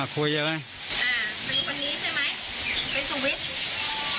อ่าเป็นคนนี้ใช่ไหมเป็นสวิส